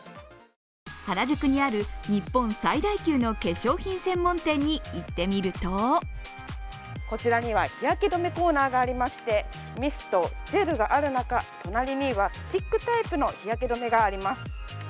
原宿にある日本最大級の化粧品専門店に行ってみるとこちらには日焼け止めコーナーがありましてミスト、ジェルがある中、隣にはスティックタイプの日焼け止めがあります。